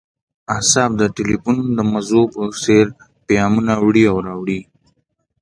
اعصاب د ټیلیفون د مزو په څیر پیامونه وړي او راوړي